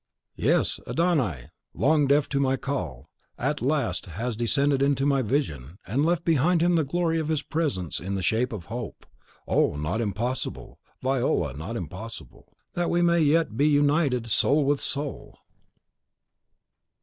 .... Yes; Adon Ai, long deaf to my call, at last has descended to my vision, and left behind him the glory of his presence in the shape of Hope. Oh, not impossible, Viola, not impossible, that we yet may be united, soul with soul!